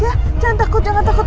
jangan takut jangan takut